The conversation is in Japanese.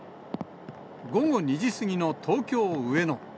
午後２時過ぎの東京・上野。